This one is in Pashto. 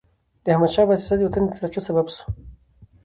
د احمدشاه بابا سیاست د وطن د ترقۍ سبب سو.